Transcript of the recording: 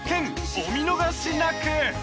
お見逃しなく！